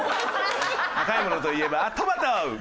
赤いものといえばトマト！